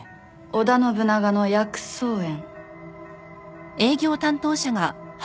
織田信長の薬草園。